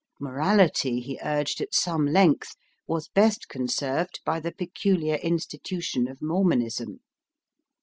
Morality, he urged at some length, was best conserved by the peculiar institution of Mormonism.